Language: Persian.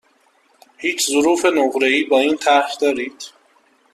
هیچ ظروف نقره ای با آن طرح دارید؟